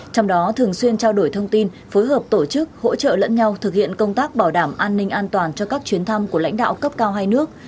trong đó thường xuyên trao đổi thông tin phối hợp tổ chức hỗ trợ lẫn nhau thực hiện công tác bảo đảm an ninh an toàn cho các chuyến thăm của lãnh đạo cấp cao hai nước